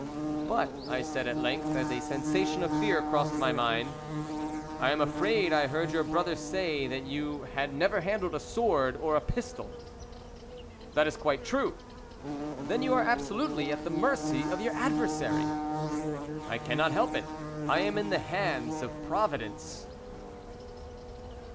"But," I said, at length, as a sensation of fear crossed my mind, "I am afraid I heard your brother say that you had never handled a sword or a pistol." "That is quite true!" "Then you are absolutely at the mercy of your adversary!" "I cannot help it. I am in the hands of Providence."